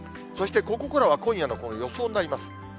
そしてここからは今夜の予想になります。